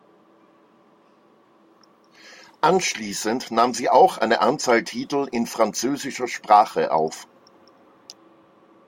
Anschließend nahm sie auch eine Anzahl Titel in französischer Sprache auf.